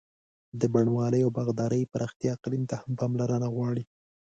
د بڼوالۍ او باغدارۍ پراختیا اقلیم ته هم پاملرنه غواړي.